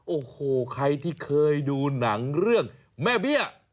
โอ้โหใครที่เคยดูหนังเรื่องแม่เบี้ย